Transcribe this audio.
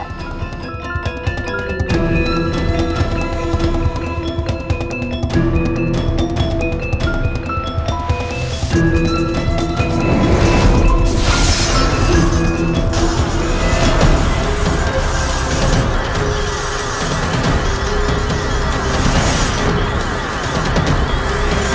aku akan terus memburumu